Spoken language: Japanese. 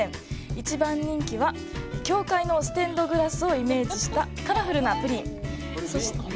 一番人気は教会のステンドグラスをイメージしたカラフルなプリン。